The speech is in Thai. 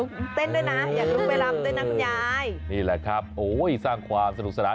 คุณยายคุณยายอยากลุ้งเต้นด้วยนะอยากลุ้งไปรำด้วยนะคุณยาย